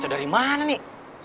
dori dari mana nih